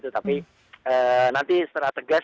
tapi nanti setelah tegas